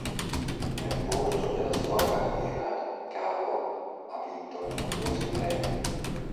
Nel corso della sua carriera, Kao ha vinto numerosi premi.